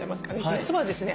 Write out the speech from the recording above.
実はですね